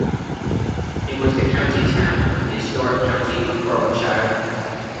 It was the county town of the historic county of Berwickshire.